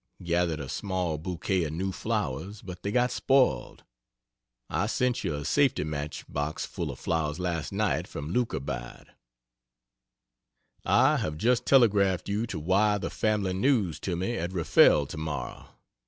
Gathered a small bouquet of new flowers, but they got spoiled. I sent you a safety match box full of flowers last night from Leukerbad. I have just telegraphed you to wire the family news to me at Riffel tomorrow.